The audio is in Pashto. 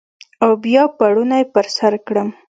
او بیا پوړنی پر سرکړم